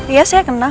iya saya kenal